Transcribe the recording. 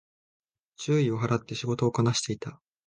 注意を払って仕事をこなしていた